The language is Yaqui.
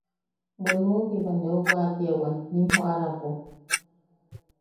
Bwe nuʼu jiba neu watiawan nim joʼarapo: